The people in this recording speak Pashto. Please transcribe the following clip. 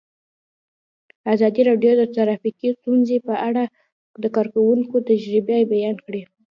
ازادي راډیو د ټرافیکي ستونزې په اړه د کارګرانو تجربې بیان کړي.